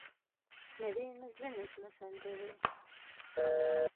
Nivīnys zinis mesendžerī.